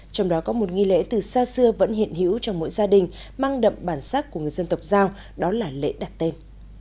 trong đó có một nghi lễ từ xa xưa vẫn hiện hữu trong mỗi gia đình mang đậm bản sắc của người dân tộc giao đó là lễ đặt tên